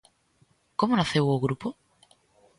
Como naceu o grupo?